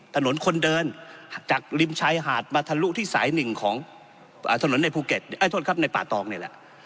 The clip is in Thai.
ถนนคนเดินจากริมชายหาดมาทะลุที่สายหนึ่งของถนนในป่าตองเนี่ยแหละ